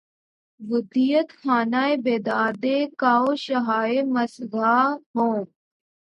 ودیعت خانۂ بیدادِ کاوشہائے مژگاں ہوں